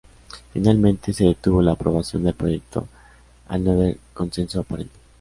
Finalmente, se detuvo la aprobación del proyecto al no haber consenso aparente.